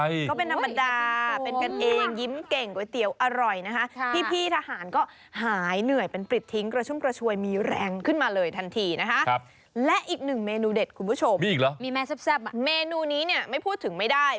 อินดาร์เป็นกันเองยิ้มเก่งเก้าไอ้เตี๋วอร่อยพี่ทหารก็หายเหนื่อยเป็นปลิตทิ้งกระชุ้มกระชวยมีแรงขึ้นมาเลยทันทีและอีกหนึ่งเมนูเด็ดคุณผู้ชมมีแม่แซ่บเมนูนี้ไม่พูดถึงไม่ได้